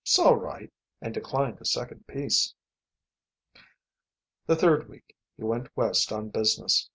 "'S all right." And declined a second piece. The third week he went West on business.